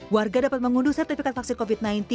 warga dapat mengunduh sertifikat vaksin covid sembilan belas